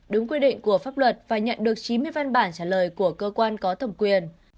đúng quy định của pháp luật và nhận được chín mươi văn bản trả lời của cơ quan có thẩm quyền